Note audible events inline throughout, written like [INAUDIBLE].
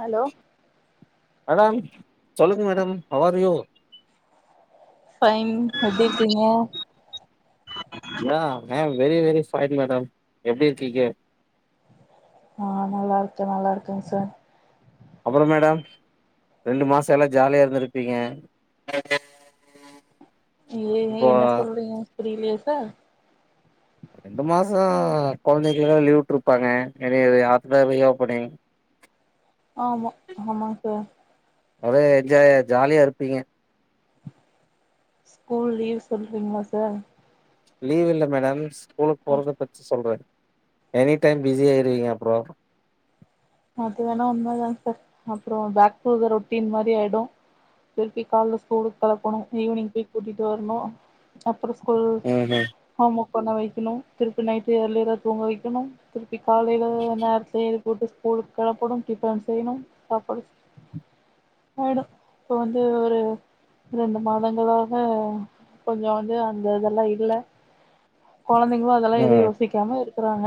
hello madam சொல்லுங்க madam how are you fine எப்டி இருக்கீங்க ma'am very very fine madam எப்படி இருக்கீங்க ஆ நல்லாருக்கே நல்லா இருக்கேங்க சார் அப்பறம் மேடம் ரெண்டு மாச எல்லாஜாலியா இருந்திருப்பீங்க ஏ இப்போ என்ன சொல்றீங்க புரியலெயே சார் கெழந்தைக்குலா‌ லீவுட்ருப்பாங்க [UNINTELLIGIBLE] ரீஓப்பனிங் ஆமா ஆமா சார் ஒரே என்ஜாய ஜாலியா இருப்பீங்க ஸ்கூல் லீவ் சொல்றீங்ளா சார் லீவ் இல்ல மேடம் ஸ்கூலுக்கு போறத பத்தி சொல்றே எனி டைம் பிஸி ஆயிருவீங்க அப்றோ அது வேணா உண்மதாங்க சார் அப்றம் பேக் டு த ரொட்டின் மாரி ஆயிடு திருப்பி கால்ல ஸ்கூலுக்கு கெளப்பணு ஈவ்னிங் போய் கூட்டிட்டு வரணு அப் புற ஸ்கூல் ம் ம் ஹோம்ஒர்க் பண்ண வைக்கணு திருப்பி நைட்டு இயர்லியரா தூங்க வைக்கணு திரு ப்பி காலைல நேரத்துல எழு புட்டு ஸ்கூலுக்கு கெளப்பனு டிஃபன் செய்யணு சாப்பாடு ஆயிடு இப்போ வந்து ஒரு ரெண்டு மாதங்களாக கொஞ்ச வந்து அந்த இதெல்லா இல்ல கொழந்தைங்களு அதெல்லா எதும் யோசிக்காம இரு க்குறாங்க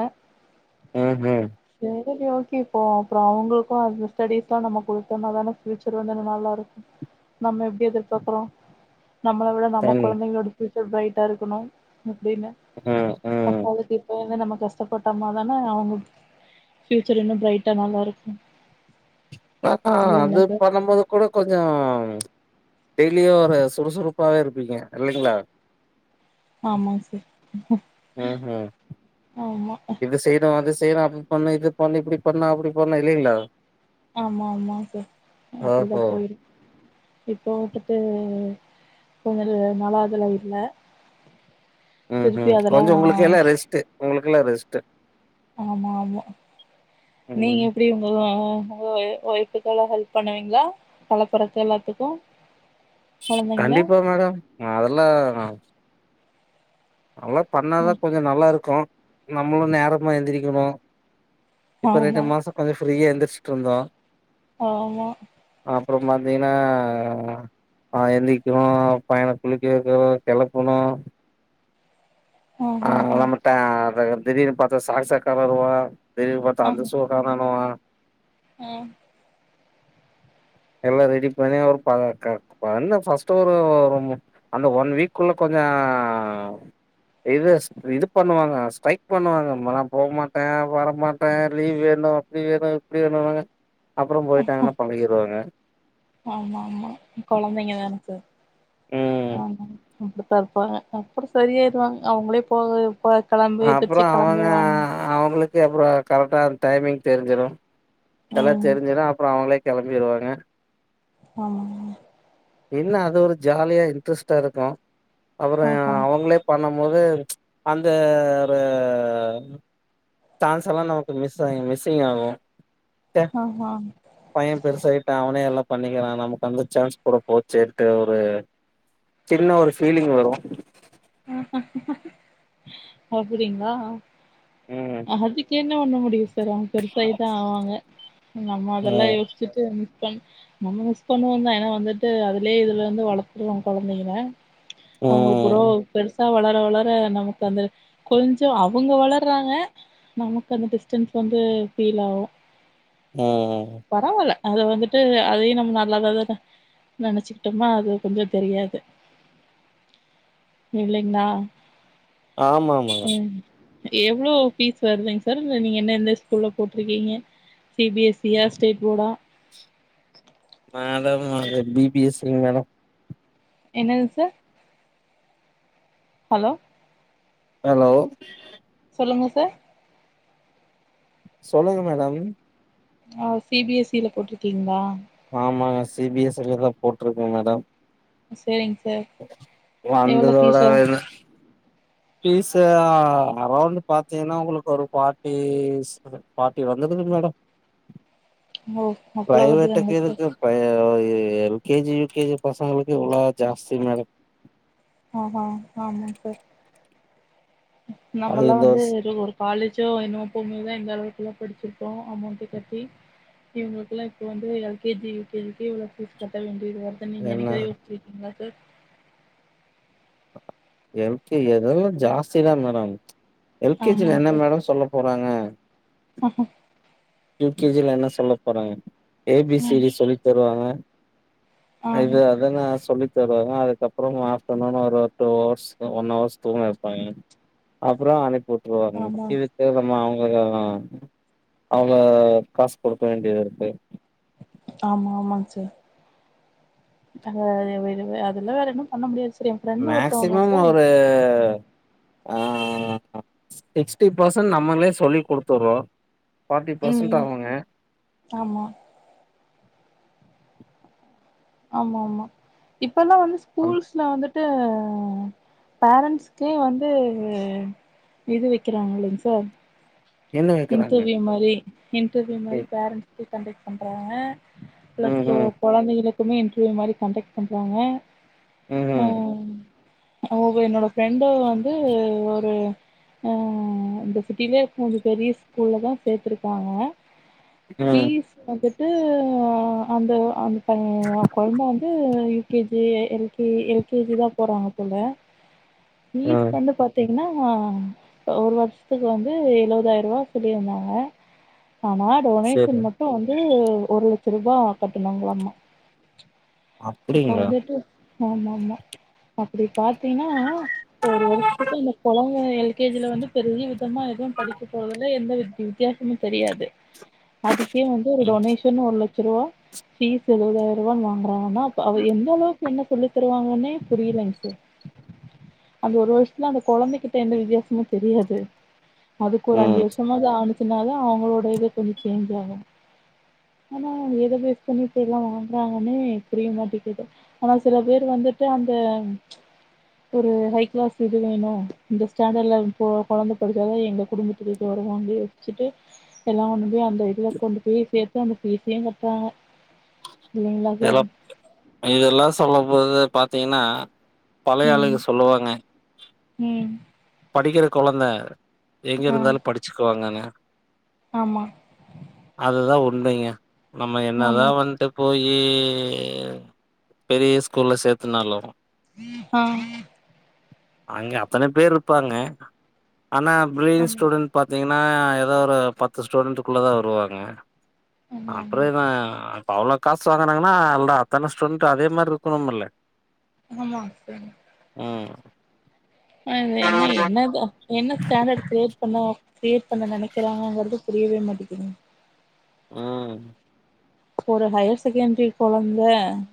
ம்ஹும் சேரி ஓகே இப்போ அப்புறோ அவுங்களுக்கு அந்த ஸ்டடிஸ்லா நம்ம குடுத்தோன்னா தான ஃப்யூச்ச சர் வந்து நல்லா இருக்கு நம்ம எப்டி எதிர்பாக்குறோ நம்ள விட நம்ம ம் குழந்தைகளோடு ஃப்யூச் சர் ப்ரைட்டா இருக்கணு அப்படின்னு ம் அப்ப ம் அதுக்கு இப்பெந்து நம கஷ்டப்பட்டாம்ன தானே அவுங்க ஃபியூச்சர் இன்னு ப்ரைட்டா நல்லா இருக்கு ஆ அ இல்லைங்களா அது சார் பண்ணம்போது கூட கொஞ்ச டெய்லி ஒரு சுறுசுறுப்பாவே இருப்பீங்க இல்லிங்ளா ஆமாங் சார் ம்ஹும் ஆமா இது செய்ணு அது செய்யணு அது பண்ணு இது பண்ணு இப்புடி பண்ண அப்புடி பண்ண இல்லிங்களா ஆமா ஆமா சார் அப்புடிதா ஓஹோ போயிடு இப்போ வந்துட்டு கொஞ்ச நல்லா அதுல இல்ல ம் திருப்பி ம் அதெல்லா கொஞ்ச உங்களுக்கு எல்லா ரெஸ்டு உங்களுக்கெல்லா ரெஸ்டு ஆமா ஆமா நீங்க ம் எப்பிடி [UNINTELLIGIBLE] ஒய்ப்புக்கெலா ஹெல்ப் பண்ணுவீங்ளா [UNINTELLIGIBLE] எல்லாத்துக்கு கொழந்தைங்கள கண்டிப்பா மேடம் அதெல்லா அதெல்லாம் பண்ணாதா கொஞ்ச நல்லா இருக்கு நம்மளு நேரமா எந்திரக்கணு இப்ப ரெண்டு ஆமா மாசோ கொஞ்சம் ஃப்ரீயா கொஞ்ச எந்தி கஸ்டந்தா ஆமா அப்புற பாத்தீங்கன்னா ஹ எந்திரிக்கணு பையண குளிக்க வக்குனு கெளப்பனும் ஆஹா ஹா [UNINTELLIGIBLE] திடீர்னு பாத்தா சாக்ச [UNINTELLIGIBLE] திடீர்னு பாத்தா அந்த சூவ காணொன்னுவான் உம் எல்லா ரெடி பண்ணி அவர் [UNINTELLIGIBLE] பண்ண ஃபர்ஸ்ட்டு ஒரு ஒரு அந்த ஒன் வீக்குள்ள கொஞ்சோ ஹ இது இது பண்ணுவாங்க ஸ்ட்ரைக் பண்ணுவாங்க அங்கலாம் போ மாட்டேன் வர மாட்டேன் லீவ் வேணும் அப்டி வேணும் இப்டி வேணும் அப்புற போயிட்டாங்கனா பழகிருவாங்க ஆமா ஆமா கொழந்தைங்க தா எனக்கு ம் ஆ பா இருப்பாங்க அப்புற சரியாயிருவாங்க அவுங்களே போக போ கெளம்பி அப்புற எந்திரிச்சு அவுங்க கெளம்பிருவாங்க அவுங்களுக்கு அப்புற கரெக்டா டைமிங் தெரிஞ்சிடு எல்லா ம் தெரிஞ்சிடு அப்புற அவுங்களே கிளம்பிடுவாங்க ஆ இன்னு அது ஒரு ஜாலியா இன்ட்ரெஸ்டா இருக்கு அப்புற ஆஹா அவுங்களே பண்ண போது அந்த ஒரு சான்ஸ் எல்லா நமக்கு மிஸ் மிஸ்ஸிங் ஆகு ஆஹா பையன் பெருசாயிட்டா அவனே எல்லாம் பண்ணிக்கிற நமக்கு அந்த சான்ஸ் கூற போச்சேட்டு ஒரு சின்ன ஒரு ஃபீலிங் வரு அப்படிங்ளா ம் அதுக்கு என்ன பண்ண முடியு சார் அவுங்களு பெருசாயிதா ஆவாங்க நம்ம அதெல்லாம் ம் யோஸ்சிட்டு ப நம்ம மிஸ் பண்ணுவோம் தான் ஏன்னா வந்துட்டு அதுலயே இதுல வந்து வளர்த்துறோம் குழந்தைங்கல அவங்க ப்றோ ம் வளர வளர நமக்கு அந்த கொஞ்சம் அவங்க வளர்றாங்க நமக்கு அந்த டிஸ்டன்ஸ் வந்து ஃபீல் ஆகும் உம் அதை வந்துட்டு அதையும் நம்ம நல்ல நினைச்சுக்கிட்டோமா அது கொஞ்சம் தெரியாது இல்லங்னா ஆமா ஆமாங்க எவ்ளோ பீஸ் வருதுங் சார் இல்ல நீங்க என்ன எந்த ஸ்கூல்ல போட்டிருக்கீங்க சி பி எஸ் இ ஆ ஸ்டேட் போர்டா அதுமேடம் பிபிஎஸ்ங்க மேடம் என்னது சார் ஹலோ ஹலோ சொல்லுங்க சார் சொல்லுங்க மேடம் ஆஹ சி பி எஸ் இல போட்டிருக்கீங்களா ஆமாங்க சி பி எஸ் இ தான் போட்டிருக்கே மேடம் சேரிங்க சார் எவ்ளோ வந்ததோட ஃபீஸு பீஸ் அரௌண்ட் பாத்தீங்கன்னா உங்களுக்கு ஒரு ஃபார்ட்டி ஃபார்ட்டி வந்துருக்கு மேடம் ஓ அவ்ளோ பிரைவேட் வருதுங்களா சார் எதுக்கு [UNINTELLIGIBLE] எல் கேஜி யு கேஜி பசங்களுக்கு இவ்ளோ ஜாஸ்தி மேடம் அஹ அஹ ஆமா சார் நம்ம அது எல்லா இந்த வந்து வருஷ ஒரு காலேஜோ என்னமோ போகும்போதுதான் இந்த அளவுக்கு படிச்சிருப்போம் அமௌண்ட் கட்டி இவங்களுக்கு எல்லாம் இப்ப வந்து எல்கேஜி யுகேஜி்கே இவளோ பீஸ் கட்ட வேண்டி இவ்ளோ வருதுன்னு நீங்க என்ன எனக்காது யோசிச்சிருக்கீங்களா [UNINTELLIGIBLE] எல்கேஜி அதெல்லாம் ஜாஸ்தி தா மேடம் எல்கேஜில என்ன மேடம் சொல்ல போன வாங்க ஆஹஹ யூ கேஜில என்ன சொல்ல போறாங்க ம் ஏபிசிடி சொல்லி தருவாங்க அது ஆமா அதன சொல்லி வாங்க அதுக்கப்புறம் [UNINTELLIGIBLE] ஒரு டூ ஹவர்ஸ் ஒன்வர்ஸ் தூங்க வப்பாங்க அப்புறம் அனுப்புட் ஆமா வித்து வித்து நம்ம அவங்க [UNINTELLIGIBLE] அங்க காசு குடுக்க வேண்டியதிருக்கு ஆமா ஆமாங் சார் அ அதெல்லா வேற என்ன பண்ண முடியாது ச மேக்சிமம் ஒரு ஆ சிக்ஸ்டி பர்சன்ட் நம்மளே சொல்லி் குடுத்துறோ ஃபோர்டி பர்சன்ட் ம் அவுங்க ஆமா ஆமா ஆமா இப் இப்பெல்லா வந்து ஸ்கூல்ஸ்ல வந்துட் வன்டு பேரண்ட்ஸ்க்கே வந்து இது வெக்கிறாங்க இல்லைங்க சார் என்ன வைக்கிறாங்க இன்டர்வியூ மாரி இன்டர்வியூ மாரி ம் பேரண்ட்ஸ் கன்டெட் பண்றாங்க ப்ளஸ் டூ ம் கொழந்தங்கள மே இன்டர்வியூ மாரி கன்டெக்ட் பண்றாங்க ம் ம் ஆஹ் அவ என்னோட ஃப்ரெண்டு வந்து ஒரு ஆ இந்த சிட்டிலயே இருக்க ஒரு பெரிய ஸ்கூல்ல தா சேத்துருக்காங்க ம் பீஸ் வந்து வந்துட்டு அந்த அந் [UNINTELLIGIBLE] கொழந்த வந்து K G L K L K G தா போறாங்க போல பீஸ் ம் வந்து பாத்தீங் ன்னா ஒரு வருஷத்துக்கு வந்து எலுவதாயிர ரூவா சொல்லிருந்தாங்க ஆனா சரி டொனேஷன் மட்டு வந்து து ஒரு லட்ச ரூபாய் கட்டணுங்களாமா இப்ப அப்டிங்களா வந்துட்டு ஆமா ஆமா அப்டி பாத்தீனா இப்ப ஒரு வருஷத்துக்கு இந்த கொழந் [UNINTELLIGIBLE] எல் கே ஜில வந்து பெரிய சுத்தமா எதும் படிக்க போறது இல்ல எந்த வித வித்தியாசமு தெரியாது அதுக்கே வந்து ஒரு ம் டொனேஷன் ஒரு லட்ச லட்ச ரூபா பீஸ் எழுபதாயிர ரூபானு வாங்குறாங்கனா அவ எந்த அளவுக் க்கு என்ன சொல்லி தருவாங்கன்னே புரியலைங்க சார் அந்த ஒரு வருஷத்துல அந்த கொழந்த கிட்ட எந்த வித்தியாசமு தெரியாது அதுக்கு ஒரு அஞ்சு ம் வருஷமாது ஆணு சின்னாத அவங்களோட இத கொஞ்சம் சேஞ்ச் ஆகும் ஆனால் எத பேஸ் பண்ணி இப்போ எல்லாம் வாங்குறாங்கன்னே புரிய மாட்டிங்குது ஆனா சில பேர் வந்துட்டு அந்த ஒரு ஹை கிளாஸ் இது வேணும் இந்த ஸ்டாண்டர்ட்ல இப்பே குழந்தை படித்தாத எங்க குடும்பத்து வருவாங்கி விச்சுட்டு எல்லாம் [UNINTELLIGIBLE] அந்த இதுல கொண்டு போய் சேர்த்து அந்த பசியையும் கட்டுறாங்க இல்லைங்களா சார் இதெல்லா சொல்லபோது பாத்தீங்கன்னா பழைய ம் ஆளுக சொல்லுவாங்க ம் படிக்கிற குழந்தை எங்க ஆ இருந்தாலும் படிச்சுக்குவாங்கங்க ஆமா அதுதான் ஒரு உண்மைங்க நம்ம ஆமா என்னதான் வந்துட்டு போயி நீ பெரிய ஸ்கூல்ல சேர்த்துனாலும் ஆஹ் அங்க அத்தனை பேரு இருப்பாங்க ஆனா ஃப்ரிலியன் ஆமா ஸ்டூடண் பாத் பாத்தீங்கன்னா ஏதாவது ஒரு பத்து ஸ்டூடண்ட்டுக்குள்ள தான் வருவாங்க ஆமா ஆமா அப்புறம்யிதான் ஆவுல காசு வாங்குனாங்கன்னா இல்ல அத்தனை டூடெண்ட் அதே மாரி இருக்கணுமில்ல ஆம்மாங் சார் அது என்ன என்னது என்ன ஸ்டாண்டர்ட் கிரியேட் பண்ணோ கிரீயேட் பண்ண நினைக்கிறாங்கறது புரியவே மாட்டேங்கிது உஹம் ஒரு ஹையர் செகண்டரி குழந்தை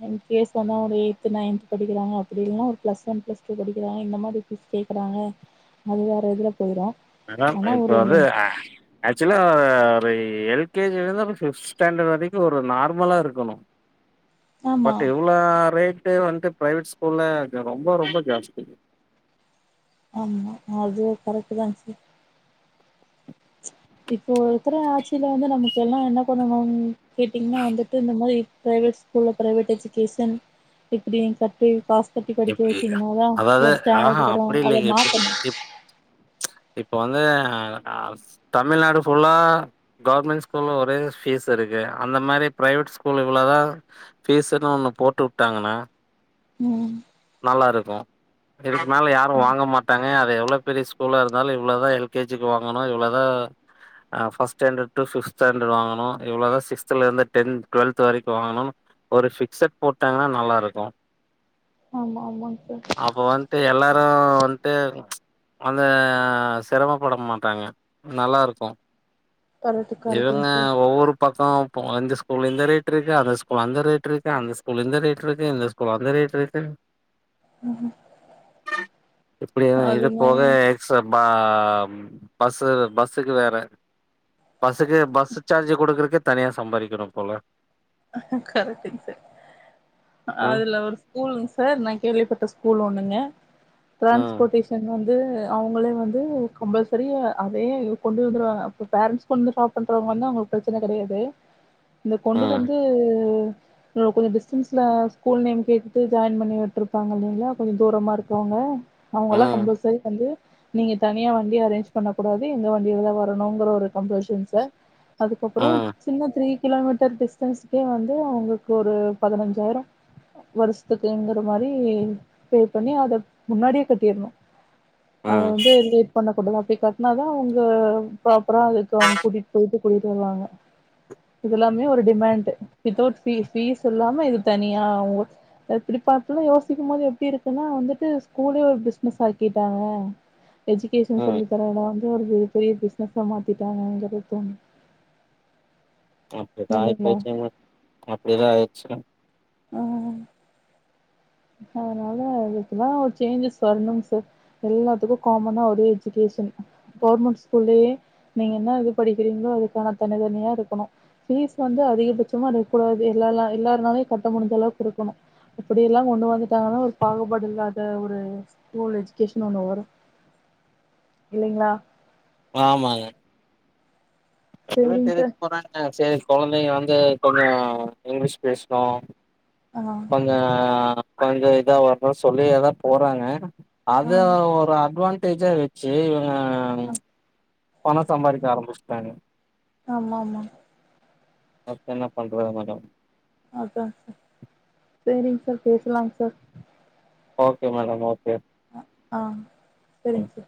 என் கேஸ் வந்தா ஒரு எய்த் நைன்த் படிக்கிறாங்க அப்படி இல்னா ஒரு பிளஸ் ஒன் பிளஸ் டூ படிக்கிறாங்க இந்த மாரி பீஸ் கேக்றாங்க அது வேற இதுல போயிரு மேடம் ஆனா இப்ப ஒரு வந்து ஆ ஆக்சுவலா ஒரு எல்கேஜில இருந்து பிப்த் ஸ்டாண்டர்ட் வரைக்கும் ஒரு நார்மலா இருக்கணும் ஆமா பட் எவ்ளா ரேட் வந்துட்டு பிரைவேட் ஸ்கூல்ல ரொம்ப ரொம்ப ஜாஸ்தி ஆமா அது கரெக்ட்டு தான் சார் இப்போ ஒருத்தர ஆட்சியில வந்து நமக்கு எல்லாம் என்ன பண்ணணு கேட்டீங்கன்னா வந்துட்டு இந்த மாரி பிரைவேட் ஸ்கூல்ல பிரைவேட் எஜுகேஷன் இப்படி கட்டி பாஸ் கட்டி இப் படிக்க இ வச்சீங்கன்னாதான் அதாவது ஒரு ஸ்டாண்டர்ட் ஆஹா அப்படி வரும் அத மாத்தனும் இப்போ வந்து தமிழ்நாடு ஃபுல்லா கவர்மெண்ட் ஸ்கூல்ல ஒரே ஃபீஸ் இருக்கு அந்த மாரி பிரைவேட் ஸ்கூல் இவ்வுளோ தான் ஃபீஸ்ன்னு ஒன்னு போட்டு வுட்டாங்கன்னா உம் நல்லாருக்கும் இதுக்கு மேல யாரும் ம் வாங்க மாட்டாங்க அது எவ்வுளோ பெரிய ஸ்கூலாக இருந்தாலும் இவ்வளோ தான் எல்கேஜிக்கு வாங்கணும் இவ்வளோ தான் first standard to fifth standard வாங்கணும் இவ்வளோ தான் சிக்ஸ்த்துல இருந்து டென்த் டுவெல்த் வரைக்கும் வாங்கணும்னு ஒரு ஃபிக்சட் போட்டாங்கன்னா நல்லாருக்கும் ஆமா ஆமாங்க சார் அப்ப வண்ட்டு எல்லாரும் வண்ட்டு அந்த சிரமப்பட மாட்டாங்க நல்லா இருக்கும் கரெக்ட் கரெக்டுங்க இவுங்க சார் ஒவ்வொரு பக் இப்ப [UNINTELLIGIBLE] இந்த ஸ்கூல்ல இருந்த ரேட் இருக்கு அந்த ஸ்கூல இருந்த ரேட் இருக்கு அந்த ஸ்கூல இருந்த ரேட் இருக்கு இந்த ஸ்கூல ரேட் இருக்கு [INAUDIBLE] இப்படியே அது இது என்னங்க போக எக்ஸாம் பா பஸ்ஸு பஸ்ஸுக்கு வேற பஸ்ஸுக்கு பஸ்ஸு சார்ஜு கொடுக்குறக்கே தனியாக சம்பாதிக்கணும் போல கரக்டங்க சார் ம் அதுல ஒரு ஸ்கூலுங்க சார் கேள்விப்பட்ட ஸ்கூல் ஒண்ணுங்க ம் டிரான்ஸ்போரட்டேஷன் வந்து அவங்களே வந்து கம்பல்சரி அதே கொண்டு வந்துவா பேர்ஸ் கொண்டு ட்ராப் பண்றவங்க வந்து அவங்களுக்கு பிரச்சனை கிடையாது இந்த கொண்டு ம் வந்து [UNINTELLIGIBLE] கொஞ்சம் டிஸ்டன்ஸ்ல ஸ்கூல் நேம் கேட்டுட்டு ஜாயின் பண்ணி விட்டுருப்பாங்க இல்லைங்களா கொஞ்சம் தூரமா இருக்கவங்க அவங்க எல்லாம் ம் கம்பல்சரி வந்து நீங்க தனியா வண்டி அரேஞ்ச் பண்ண கூடாது எந்த வண்டியிலதான் வரணுங்கற ஒரு கம்பல்ஷன் சார் அதுக்கப்புறம் ம் சின்ன த்ரீ கிலோ மீட்டர் டிஸ் டிஸ்ன்ஸ்கே வந்து அவங்களுக்கு ஒரு பதினஞ்சாயிரம் வருஷத்துக்குங்கிற மாரி பே பண்ணி அத முன்னாடியே கட்டிடணும் அத ம் வந்து லேயிட் பண்ண கூடதான் அப்டி கட்டினாதான் அவங்க ப்ராப்பரா அதுக்கு அவங்க கூட்டிட்டு போயிட்டு கூட்டிட்டு வருவாங்க இதெல்லாமே ஒரு டே இமான்டு விதோட் பீஸ் பீஸ் இல்லாம இது தனியா ஓ இப்போ அப்டிலா யோசிக்கும் போது எப்படி இருக்குன்னா வந்துட்டு ஸ்கூலே ஒரு பிசினஸ் ஆக்கிட்டாங்க எஜுகேஷன் ம் சொல்லி தரே இட [UNINTELLIGIBLE] பெரிய பிசினஸ மாத்திட்டாங்க [UNINTELLIGIBLE] ஆமா அப்படிதய் போச்சமா அப்படிதான் ஆயிடுச்சு கண் ஆஹ் அதனால அதுக்கல்லாம் ஒரு சேஞ்சஸ் வரணுங்க சார் எல்லாத்துக்கும் காமனா ஒரு எஜுகேஷன் கவர்மெண்ட் ஸ்கூல்லயே நீங்க என்ன இது படிக்கிறீங்களோ அதுக்கான தனித்தனியா இருக்கணும் பீஸ் வந்து அதிகபட்சமா இருக்கூடாது எல்லரா எல்லாருனாலும் கட்ட முடிஞ்ச அளவுக்கு கொடுக்கணும் அப்படிய ல்லாம் கொண்டு வந்துட்டாங்கன்னா ஒரு பாகுபாடு இல்லாத ஒரு ஸ்கூல் எஜகேஷன் ஒண்ணு வரும் இல்லலைங்களா ஆமாங்க சேரிங்க சார் [INAUDIBLE] போறங்க சரி குழந்தைங்க வந்து கொஞ்சம் இங்கிலீஷ் பேசினோ ஆ அப்பங்க கொஞ்சம் இதா வரணும் சொல்லி அதான் போறாங்க அது ஆ ஒரு அட்வான் டேஜா வச்சு ஆஹ் ஆ பண சம்பதிக்க ஆரம்பிச்சிட்டாங்க ஆமா ஆமா அப்ப என்ன பண்றது மேடம் அதான் சார் சரிங்க சார் பேசலாங்க சார் ஓகே மேடம் ஓகே ஆ ம் சேரிங்க சார்